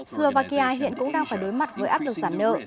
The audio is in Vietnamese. slovakia hiện cũng đang phải đối mặt với áp lực giảm nợ